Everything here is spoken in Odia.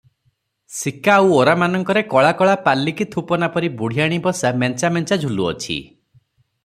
ସିକା ଆଉ ଓରାମାନଙ୍କରେ କଳା କଳା ପାଲିକି ଥୁପନାପରି ବୁଢ଼ିଆଣୀ ବସା ମେଞ୍ଚା ମେଞ୍ଚା ଝୁଲୁଅଛି ।